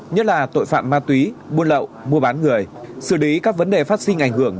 nhất là tội phạm ma túy buôn lậu mua bán người xử lý các vấn đề phát sinh ảnh hưởng